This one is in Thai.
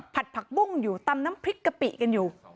ผักบุ้งอยู่ตำน้ำพริกกะปิกันอยู่